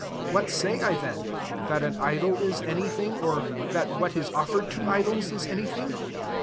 19 What say I then ? [that an idol ia any things or"^ that what is offered to idols is any thtng?